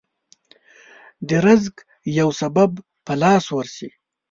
د رزق يو سبب په لاس ورشي.